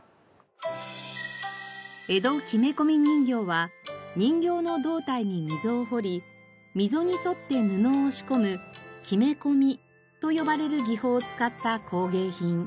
江戸木目込人形は人形の胴体に溝を彫り溝に沿って布を押し込む木目込みと呼ばれる技法を使った工芸品。